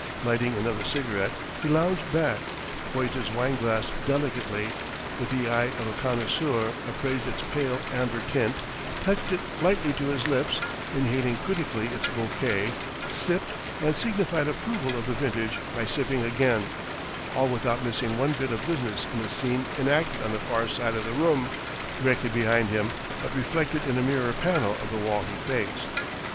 Lighting another cigarette, he lounged back, poised his wine glass delicately, with the eye of a connoisseur appraised its pale amber tint, touched it lightly to his lips, inhaling critically its bouquet, sipped, and signified approval of the vintage by sipping again: all without missing one bit of business in a scene enacted on the far side of the room, directly behind him but reflected in a mirror panel of the wall he faced.